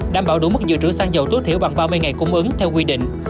đảm bảo đủ mức dự trữ xăng dầu tối thiểu bằng ba mươi ngày cung ứng theo quy định